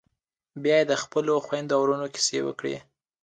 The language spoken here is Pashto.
بيا یې د خپلو خويندو او ورور کيسې وکړې.